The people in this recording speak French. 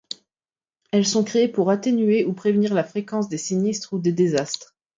Elles sont créées pour atténuer ou prévenir la fréquence des sinistres ou des désastres.